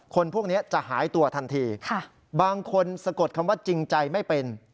คนพวกนี้จะหายตัวทันทีบางคนสะกดคำว่าจริงใจไม่เป็น